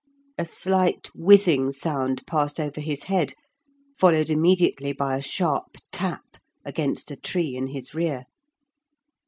A slight whizzing sound passed over his head, followed immediately by a sharp tap against a tree in his rear.